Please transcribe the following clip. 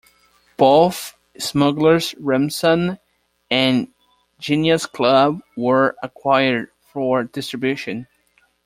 Both "Smuggler's Ransom" and "Genius Club" were acquired for distribution.